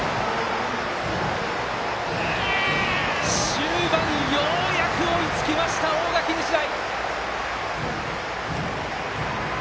終盤、ようやく追いつきました大垣日大。